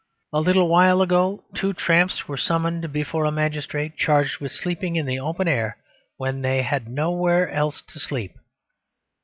A little while ago two tramps were summoned before a magistrate, charged with sleeping in the open air when they had nowhere else to sleep.